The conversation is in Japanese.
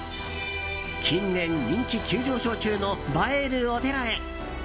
近年、人気急上昇中の映えるお寺へ。